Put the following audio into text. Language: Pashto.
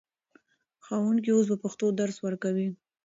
ښوونکي اوس په پښتو درس ورکوي.